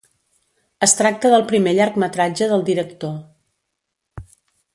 Es tracta del primer llargmetratge del director.